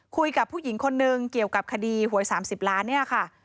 คุยกับผู้หญิงคนนึงเกี่ยวกับคดีหวย๓๐ล้านเนี่ยค่ะ